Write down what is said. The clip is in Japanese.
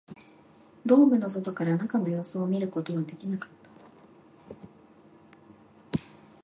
ドームの外から中の様子を知ることはできなかった